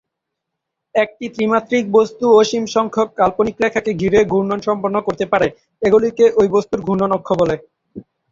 একটি ত্রিমাত্রিক বস্তু অসীম সংখ্যক কাল্পনিক রেখাকে ঘিরে ঘূর্ণন সম্পন্ন করতে পারে; এগুলিকে ঐ বস্তুর ঘূর্ণন অক্ষ বলে।